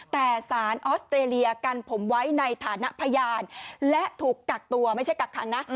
แต่สารออสเตรเลียกันผมไว้ในฐานะพยานและถูกกักตัวไม่ใช่กักขังนะ